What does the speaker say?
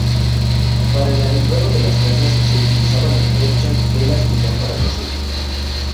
Para el alumbrado de las casas se utilizaban antorchas, velas y lámparas de aceite.